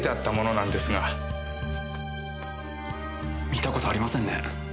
見た事ありませんね。